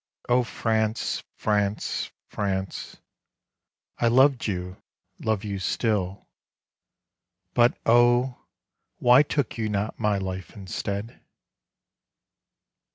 O France, France, France! I loved you, love you still; But, Oh! why took you not my life instead?